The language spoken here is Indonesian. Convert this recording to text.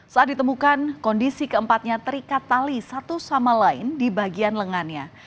saat ditemukan kondisi keempatnya terikat tali satu sama lain di bagian lengannya